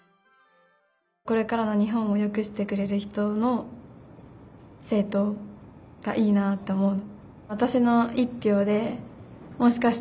これからの日本をよくしてくれる人の政とうがいいなと思う。